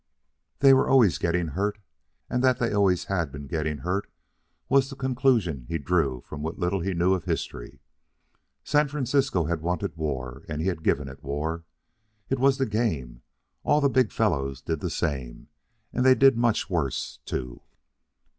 They were always getting hurt; and that they always had been getting hurt was the conclusion he drew from what little he knew of history. San Francisco had wanted war, and he had given it war. It was the game. All the big fellows did the same, and they did much worse, too.